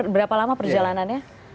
berapa lama perjalanannya